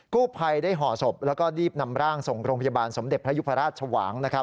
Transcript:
กู้ภัยได้ห่อศพแล้วก็รีบนำร่างส่งโรงพยาบาลสมเด็จพระยุพราชชวาง